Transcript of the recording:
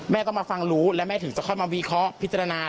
แม่ก็มาฟังรู้และแม่ถึงจะค่อยมาวิเคราะห์พิจารณา